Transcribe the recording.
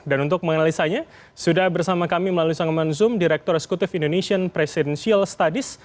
dan untuk menganalisanya sudah bersama kami melalui sang manzum direktur eksekutif indonesian presidential studies